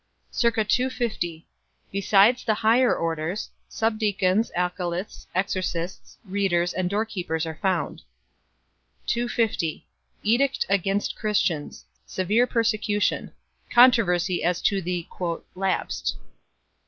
c. 250 Besides the higher orders, subdeacons, acolyths, exorcists, readers and doorkeepers are found. 250 Edict against Christians. Severe persecution. Contro versy as to the " Lapsed."